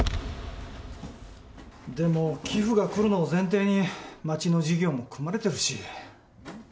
でも、寄付が来るのを前提に町の事業も組まれてるし。